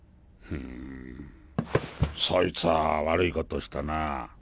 そいつァ悪いことしたな。